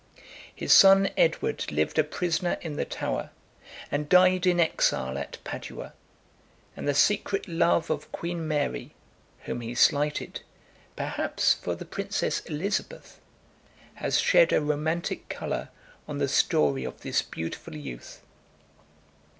His son Edward lived a prisoner in the Tower, and died in exile at Padua; and the secret love of Queen Mary, whom he slighted, perhaps for the princess Elizabeth, has shed a romantic color on the story of this beautiful youth.